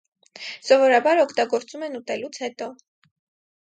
Սովորաբար օգտագործում են ուտելուց հետո։